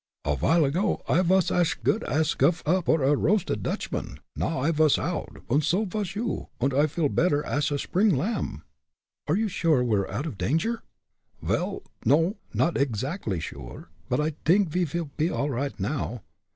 "A vile ago I vas ash goot ash guff up for a roasted Dutchman; now I vas oud, und so vas you, und I feel better ash a spring lamb." "Are you sure we are out of danger?" "Vel, no, not eggsactly sure, but I t'ink ve pe all righd now.